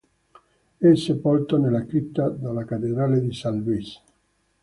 È sepolto nella cripta della cattedrale di Saint Louis.